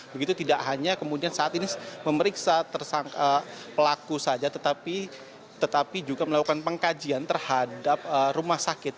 begitu tidak hanya kemudian saat ini memeriksa pelaku saja tetapi juga melakukan pengkajian terhadap rumah sakit